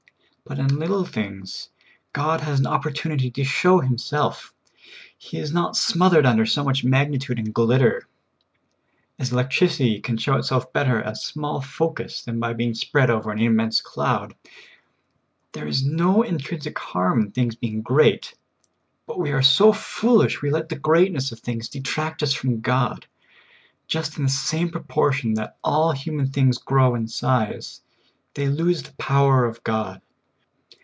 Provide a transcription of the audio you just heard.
But in little things God has an op LITTLE THINGS. 5 1 portunity to show Himself ; He is not smothered under so much magnitude and glitter, as electricity can show itself better at a small focus than by being vSpread over an immense cloud. There is no intrinsic harm in things being great, but we are so foolish we let the greatness of things detract us from God. Just in the same proportion that all human things grow in size, they lose the power of God.